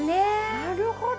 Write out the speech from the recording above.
なるほど！